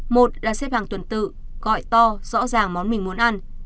một là xếp hàng tuần tự gọi to rõ ràng món mình muốn ăn